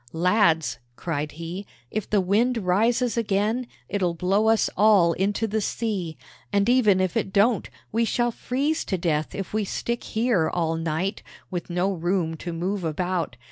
"Lads," cried he, "if the wind rises again, it'll blow us all into the sea; and even if it don't, we shall freeze to death if we stick here all night, with no room to move about.